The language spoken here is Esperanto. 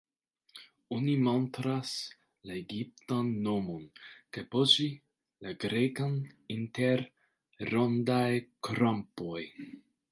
Oni montras la egiptan nomon, kaj, post ĝi, la grekan inter rondaj-krampoj.